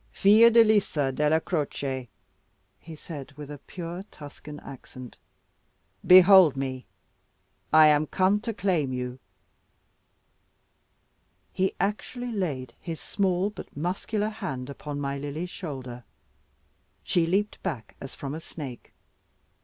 "Fiordalisa Della Croce," he said with a pure Tuscan accent, "behold me! I am come to claim you." He actually laid his small, but muscular hand upon my Lily's shoulder. She leaped back as from a snake.